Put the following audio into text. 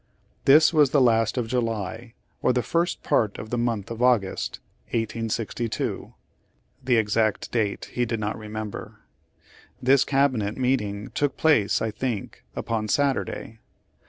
This was the last of July, or the first part of the month of August, 1862." (The exact date he did not remember.) "This Cabinet meeting took place, I think, upon Saturday.